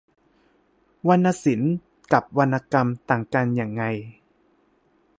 วรรณศิลป์กับวรรณกรรมต่างกันยังไง